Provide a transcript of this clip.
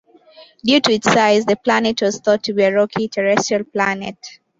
Due to its size, the planet was thought to be a rocky, terrestrial planet.